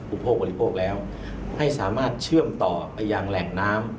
อุปโภคบริโภคแล้วให้สามารถเชื่อมต่อไปยังแหล่งน้ำ